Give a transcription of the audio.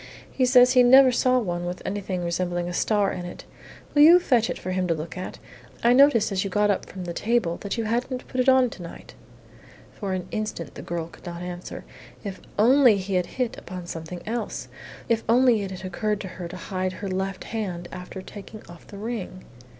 "He says he never saw one with anything resembling a star in it. Will you fetch it for him to look at? I noticed as you got up from the table that you hadn't put it on to night." For an instant the girl could not answer. If only he had hit upon something else. If only it had occurred to her to hide her left hand after taking off the ring!